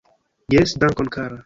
Jes, dankon kara!